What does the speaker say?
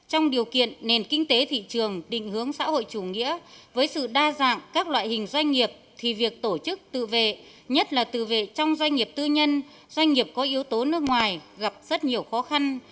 trong điều kiện nền kinh tế thị trường định hướng xã hội chủ nghĩa với sự đa dạng các loại hình doanh nghiệp thì việc tổ chức tự vệ nhất là tự vệ trong doanh nghiệp tư nhân doanh nghiệp có yếu tố nước ngoài gặp rất nhiều khó khăn